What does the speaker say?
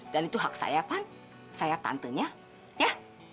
dan itu hak saya pak saya tantenya ya